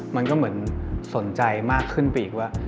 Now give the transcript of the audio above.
มันก็เหมือนสนใจมากขึ้นไปอีกว่า